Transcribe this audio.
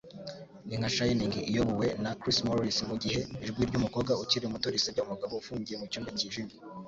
Ni nka Shining iyobowe na Chris Morris mugihe ijwi ryumukobwa ukiri muto risebya umugabo ufungiye mucyumba cyijimye.